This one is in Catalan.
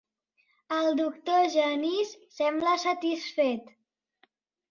El doctor Genís sembla satisfet.